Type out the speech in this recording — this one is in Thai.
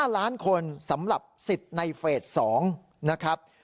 ๕ล้านคนสำหรับสิทธิ์ในเฟส๒นะครับ